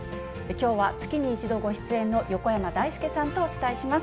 きょうは月に１度ご出演の横山だいすけさんとお伝えします。